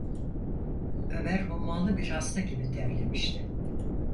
Ömer hummalı bir hasta gibi terlemişti.